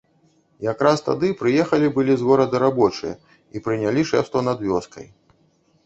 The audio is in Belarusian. Якраз тады прыехалі былі з горада рабочыя і прынялі шэфства над вёскай.